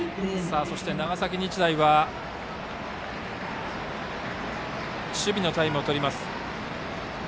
長崎日大は守備のタイムをとります。